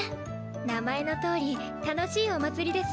名前のとおり楽しいお祭りです。